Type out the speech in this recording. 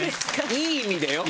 いい意味でよ。